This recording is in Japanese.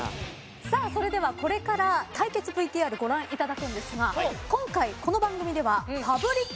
さあそれではこれから対決ＶＴＲご覧いただくんですが今回この番組では。